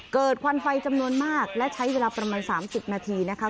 ควันไฟจำนวนมากและใช้เวลาประมาณ๓๐นาทีนะคะ